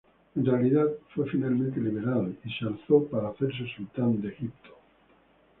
En realidad, fue finalmente liberado, y se alzó para hacerse sultán de Egipto.